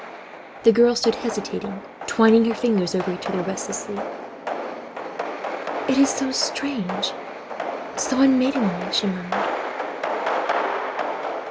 The girl stood hesitating, twining her fingers over each other, restlessly. "It is so strange, so unmaidenly," she murmured.